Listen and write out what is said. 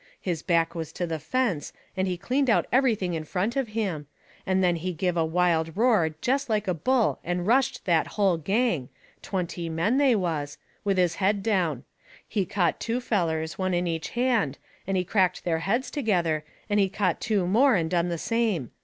His back was to the fence, and he cleaned out everything in front of him, and then he give a wild roar jest like a bull and rushed that hull gang twenty men, they was with his head down. He caught two fellers, one in each hand, and he cracked their heads together, and he caught two more, and done the same.